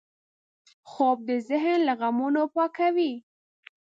خوب د ذهن له غمونو پاکوي